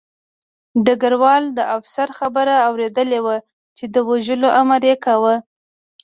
ډګروال د افسر خبره اورېدلې وه چې د وژلو امر یې کاوه